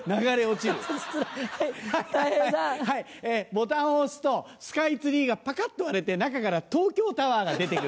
ボタンを押すとスカイツリーがパカっと割れて中から東京タワーが出て来る。